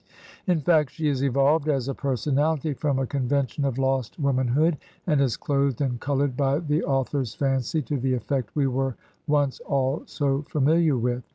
In fact, she is evolved, as a personality, from a convention of lost womanhood, and is clothed and colored by the au thor's fancy to the effect we were once all so familiar with.